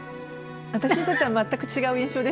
私にとっては全く違う印象でしたけど。